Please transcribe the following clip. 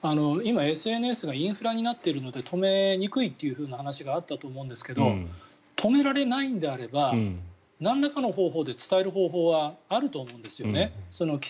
ＳＮＳがインフラになっているので止めにくいという話があったと思うんですが止められないのであればなんらかの方法で伝える方法があると思うんです。